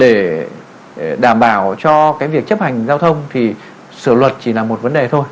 để đảm bảo cho cái việc chấp hành giao thông thì sửa luật chỉ là một vấn đề thôi